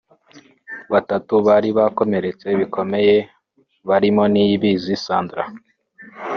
Batatu bari bakomeretse bikomeye barimo Niyibizi Sandra